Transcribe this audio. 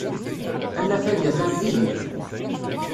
Anafag atan dihin.